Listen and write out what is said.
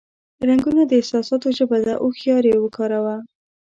رنگونه د احساساتو ژبه ده، هوښیار یې وکاروه.